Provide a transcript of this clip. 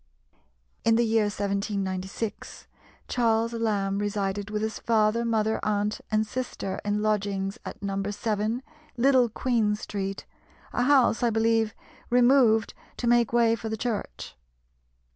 In the year 1796 Charles Lamb resided with his father, mother, aunt, and sister in lodgings at No. 7 Little Queen Street, a house, I believe, removed to make way for the church.